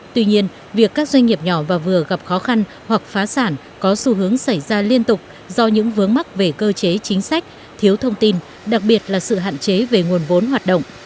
tuy nhiên việc các doanh nghiệp nhỏ và vừa gặp khó khăn hoặc phá sản có xu hướng xảy ra liên tục do những vướng mắc về cơ chế chính sách thiếu thông tin đặc biệt là sự hạn chế về nguồn vốn hoạt động